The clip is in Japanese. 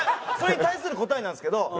それに対する答えなんですけど。